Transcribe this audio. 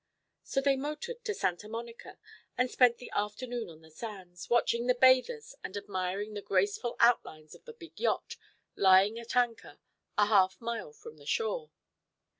So they motored to Santa Monica and spent the afternoon on the sands, watching the bathers and admiring the graceful outlines of the big yacht lying at anchor a half mile from the shore.